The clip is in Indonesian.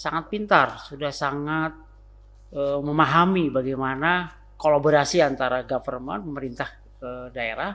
sangat pintar sudah sangat memahami bagaimana kolaborasi antara government pemerintah daerah